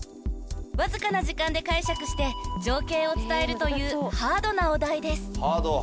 ［わずかな時間で解釈して情景を伝えるというハードなお題です］